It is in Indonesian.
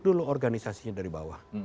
dulu organisasinya dari bawah